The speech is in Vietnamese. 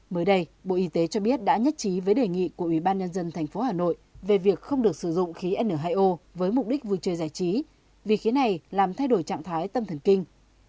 mới đây bộ y tế cho biết đã nhất trí với đề nghị của ủy ban nhân dân tp hà nội về việc không được sử dụng khí n hai o với mục đích vui chơi giải trí vì khí này làm thay đổi trạng thái tâm thần kinh